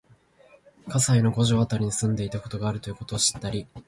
川西の五条あたりに住んでいたことがあるということを知ったり、